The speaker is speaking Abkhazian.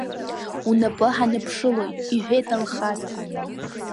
Унапы ҳаныԥшылоит, — иҳәеит Алхас.